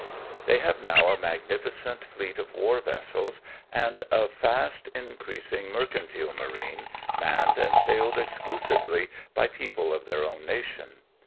They have now a magnificent fleet of war vessels, and a fast increasing mercantile marine, manned and sailed exclusively hy people of their own nation.